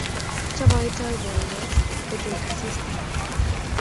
Chabaitoi boldet, betei asista